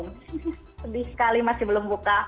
sedih sekali masih belum buka